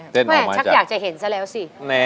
แม่ชักอยากจะเห็นซะแล้วสิ